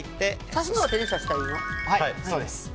刺すのは手で刺したらいいの？